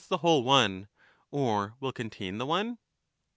^j^ ^j^^ whole one, or will contain the one